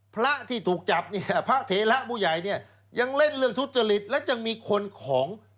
พระที่ถูกจับเนี่ยพระเถระผู้ใหญ่เนี่ยยังเล่นเรื่องทุจริตและยังมีคนของ